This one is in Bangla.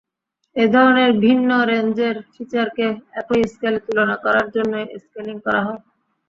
এধরনের ভিন্ন রেঞ্জের ফিচারকে একই স্কেলে তুলনা করার জন্যই স্কেলিং করা হয়।